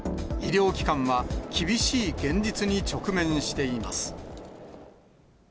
医療機関は厳しい現実に直面しています。